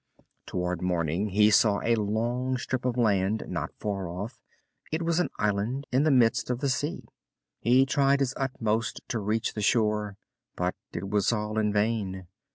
Towards morning he saw a long strip of land not far off. It was an island in the midst of the sea. He tried his utmost to reach the shore, but it was all in vain.